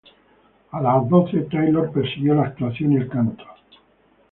A los doce, Taylor persiguió la actuación y el canto.